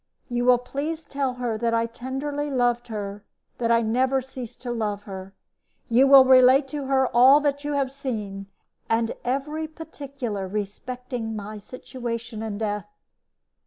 You will please tell her that I tenderly loved her that I never ceased to love her. You will relate to her all that you have seen, and every particular respecting my situation and death."